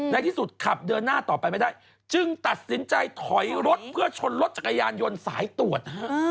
ในที่สุดขับเดินหน้าต่อไปไม่ได้จึงตัดสินใจถอยรถเพื่อชนรถจักรยานยนต์สายตรวจนะฮะ